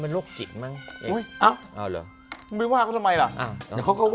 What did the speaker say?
เอกกี้ด่ายอีกแล้ว